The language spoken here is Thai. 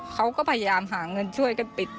เขาก็พยายามหาเงินช่วยกันปิด